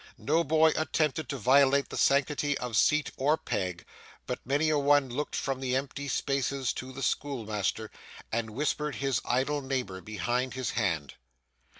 No boy attempted to violate the sanctity of seat or peg, but many a one looked from the empty spaces to the schoolmaster, and whispered his idle neighbour behind his hand.